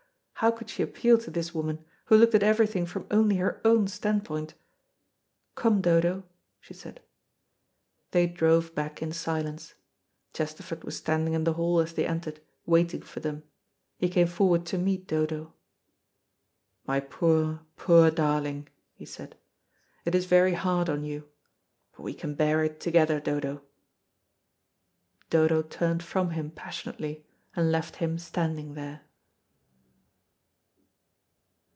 How could she appeal to this woman, who looked at everything from only her own standpoint? "Come, Dodo," she said. They drove back in silence. Chesterford was standing in the hall as they entered, waiting for them. He came forward to meet Dodo. "My poor, poor darling," he said, "it is very hard on you. But we can bear it together, Dodo." Dodo turned from him passionately, and left him standing there.